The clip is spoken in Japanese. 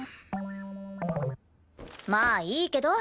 まあいいけど。